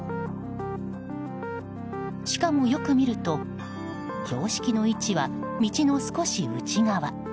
しかも、よく見ると標識の位置は道の少し内側。